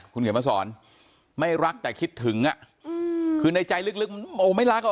คุณเขียนมาสอนไม่รักแต่คิดถึงอ่ะคือในใจลึกมันโอ้ไม่รักอ่ะ